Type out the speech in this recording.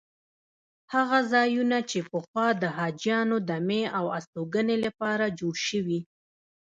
هغه ځایونه چې پخوا د حاجیانو دمې او استوګنې لپاره جوړ شوي.